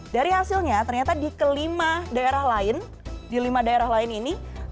dari hasilnya ternyata di kelima daerah lain di lima daerah lain ini